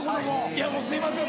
いやもうすいません